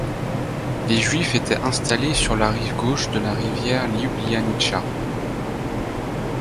Les juifs étaient installés sur la rive gauche de la rivière Ljubljanica.